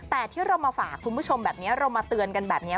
แต่ที่เรามาฝากคุณผู้ชมแบบนี้เรามาเตือนกันแบบนี้